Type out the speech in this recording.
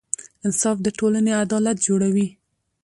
انصاف د ټولنې عدالت جوړوي.